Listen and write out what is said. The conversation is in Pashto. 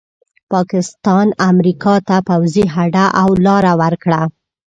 پاکستان امریکا ته پوځي هډې او لاره ورکړه.